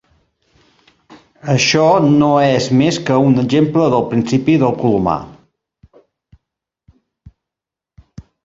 Això no és més que un exemple del principi del colomar.